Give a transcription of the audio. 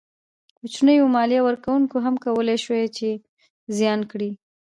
کوچنیو مالیه ورکوونکو هم کولای شوای چې زیان کړي.